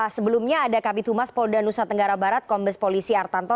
sebelumnya ada kabit humas polda nusa tenggara barat kombes polisi artanto